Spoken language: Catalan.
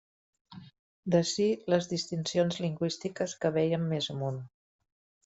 D'ací les distincions lingüístiques que vèiem més amunt.